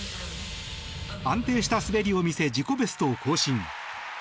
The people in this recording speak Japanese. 安定した滑りを見せ自己ベストを更新。